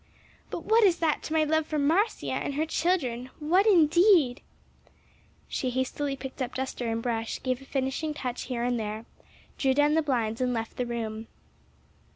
"But what is that to my love for Marcia and her children! what indeed!" She hastily picked up duster and brush, gave a finishing touch here and there, drew down the blinds and left the room.